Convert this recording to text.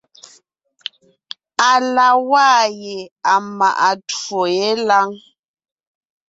À la waa ye à maʼa twó yé lâŋ.